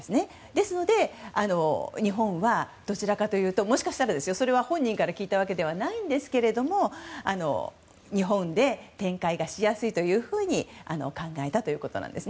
ですので、日本はどちらかというと、もしかしたらそれは本人から聞いたことではないんですが日本で展開がしやすいと考えたということなんです。